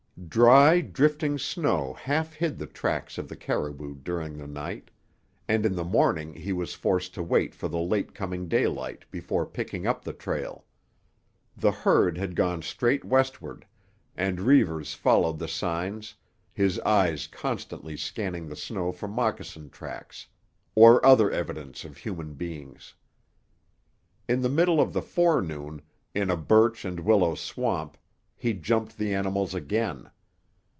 Dry, drifting snow half hid the tracks of the caribou during the night, and in the morning he was forced to wait for the late coming daylight before picking up the trail. The herd had gone straight westward, and Reivers followed the signs, his eyes constantly scanning the snow for moccasin tracks or other evidence of human beings. In the middle of the forenoon, in a birch and willow swamp, he jumped the animals again.